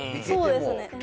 そうですね